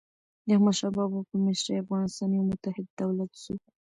د احمدشاه بابا په مشرۍ افغانستان یو متحد دولت سو.